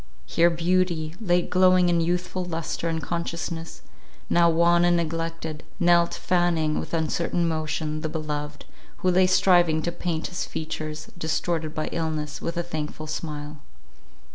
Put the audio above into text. Here beauty, late glowing in youthful lustre and consciousness, now wan and neglected, knelt fanning with uncertain motion the beloved, who lay striving to paint his features, distorted by illness, with a thankful smile.